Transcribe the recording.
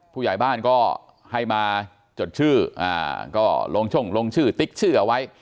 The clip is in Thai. ผู้ใหญ่บ้านก็ให้มาจดชื่อก็ลงช่งลงชื่อติ๊กชื่อเอาไว้